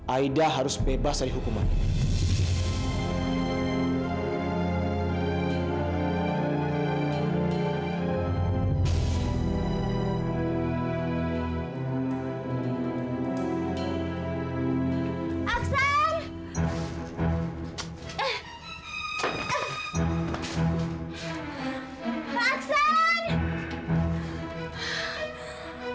aida harus bebas dari hukuman ini